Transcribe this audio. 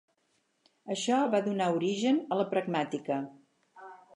Això va donar origen a la pragmàtica.